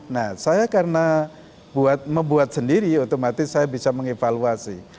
nah saya karena membuat sendiri otomatis saya bisa mengevaluasi